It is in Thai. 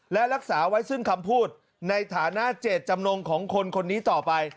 และรักษาไว้ซึ่งคำพูดในฐานะเจตจำนงของคนคนนี้ต่อไป